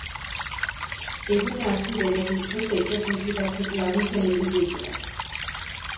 Eguna hasi denetik beste itsasontzi batzuk laguntzen ibili dira.